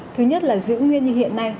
thứ nhất là giữ nguyên như hiện nay